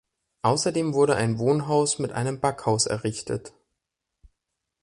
Außerdem wurde ein Wohnhaus mit einem Backhaus errichtet.